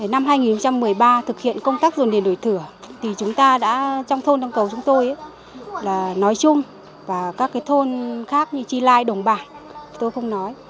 năm hai nghìn một mươi ba thực hiện công tác dồn điền đổi thửa thì chúng ta đã trong thôn đồng cầu chúng tôi là nói chung và các thôn khác như chi lai đồng bạc tôi không nói